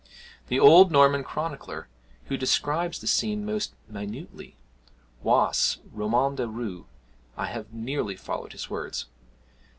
The old Norman chronicler, who describes the scene most minutely, [Wace, Roman de Rou. I have nearly followed his words.